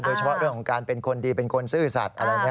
โดยเฉพาะเรื่องของการเป็นคนดีเป็นคนศึกษัตริย์อะไรอย่างนี้